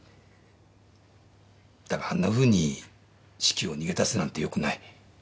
だがあんなふうに式を逃げ出すなんて良くない。